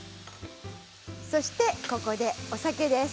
そしてここでお酒です。